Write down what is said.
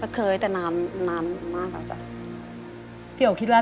ไม่ค่อยมั่นใจขนาดไหน